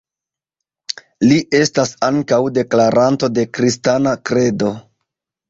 Li estas ankaŭ deklaranto de kristana kredo.